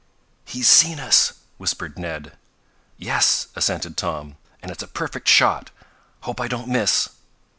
"He's seen us," whispered Ned. "Yes," assented Tom. "And it's a perfect shot. Hope I don't miss!"